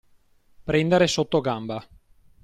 Prendere sotto gamba.